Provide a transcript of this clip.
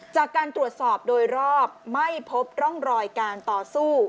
จากการตรวจสอบโดยรอบไม่พบร่องรอยการต่อสู้